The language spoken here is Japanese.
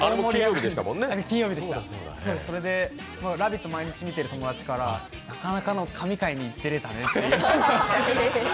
それで「ラヴィット！」を毎日見てる友達からなかなかの神回に出れたねって。